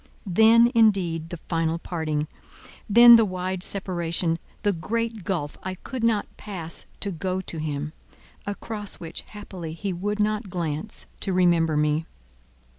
Then, indeed, the final parting, then the wide separation, the great gulf I could not pass to go to him—across which, haply, he would not glance, to remember me.